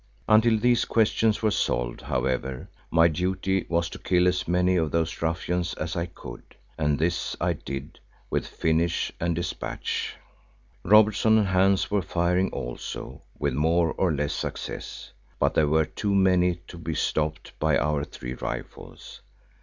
Until these questions were solved, however, my duty was to kill as many of those ruffians as I could, and this I did with finish and despatch. Robertson and Hans were firing also, with more or less success, but there were too many to be stopped by our three rifles.